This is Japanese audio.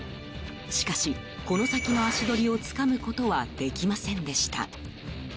しかし、この先の足取りをつかむことはできませんでした。